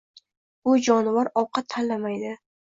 Bu jonivor ovqat tanlamaydi.